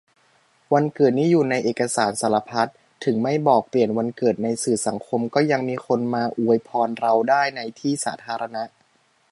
วันเกิดนี่อยู่ในเอกสารสารพัด ถึงไม่บอก-เปลี่ยนวันเกิดในสื่อสังคม ก็ยังมีคนมาอวยพรเราได้ในที่สาธารณะ